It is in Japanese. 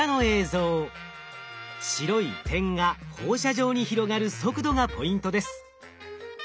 白い点が放射状に広がる速度がポイントです。